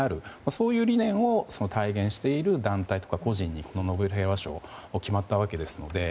そういう理念を体現している、団体とか個人にこのノーベル平和賞が決まったわけですので。